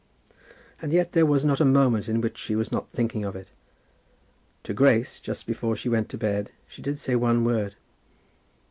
And yet there was not a moment in which she was not thinking of it. To Grace, just before she went to bed, she did say one word.